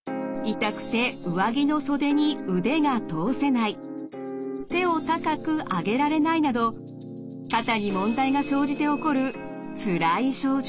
痛くて上着の手を高く上げられないなど肩に問題が生じて起こるつらい症状。